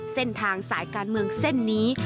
เส้นทางสายการเมืองเส้นนี้